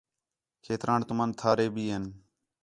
کھیتران تُمن تھارے بھی ہین